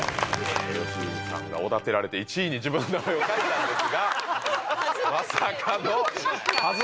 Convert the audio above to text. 良純さんがおだてられて１位に自分の名前を書いたんですが。